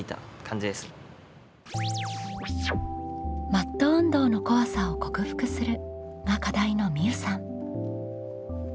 「マット運動の怖さを克服する」が課題のみうさん。